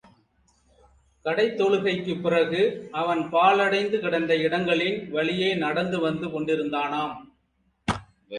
கடைத் தொழுகைக்குப் பிறகு அவன் பாழடைந்து கிடந்த இடங்களின் வழியே நடந்து வந்து கொண்டிருந்தானாம்.